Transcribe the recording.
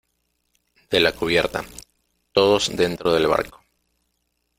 de la cubierta. todos dentro del barco .